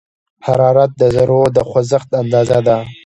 حرارت د ذرّو د خوځښت اندازه ده.